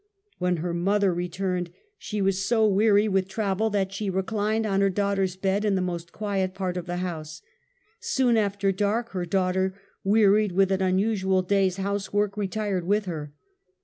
•5^ X * :v ^* w X ^ When her mother returned, she was so weary with 9 130 UNMASKED. travel that she reclined on her daughter's bed in the most quiet part of the house. Soon after dark her daughter, wearied with an unusual day's house work, retired with her.